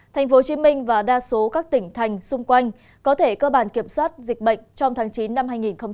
thành phố hồ chí minh và đa số các tỉnh thành xung quanh có thể cơ bản kiểm soát dịch bệnh trong tháng chín năm hai nghìn hai mươi một